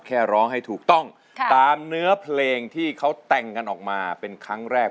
แค่ร้องให้ถูกต้องตามเนื้อเพลงที่เขาแต่งกันออกมาเป็นครั้งแรก